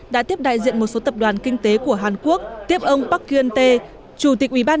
đã tiếp đại diện một số tập đoàn kinh tế của hàn quốc tiếp ông park kyunte chủ tịch ủy ban